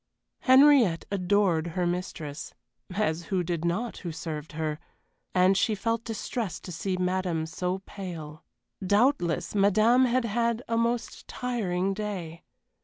Henriette adored her mistress as who did not who served her? and she felt distressed to see madame so pale. Doubtless madame had had a most tiring day.